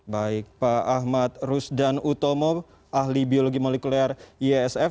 baik pak ahmad rusdan utomo ahli biologi molekuler iesf